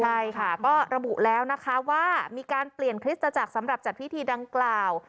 ใช่ค่ะก็ระบุแล้วนะคะว่ามีการเปลี่ยนคริสตจักรสำหรับจัดพิธีดังกล่าว